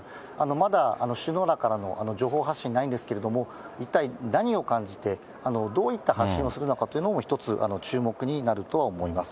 まだ首脳らからの情報発信ないんですけれども、一体何を感じて、どういった発信をするのかというのも一つ注目になるとは思います。